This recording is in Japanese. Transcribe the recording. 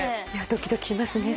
ドキドキしますね。